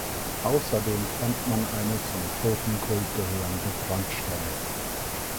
Außerdem fand man eine zum Totenkult gehörende Brandstelle.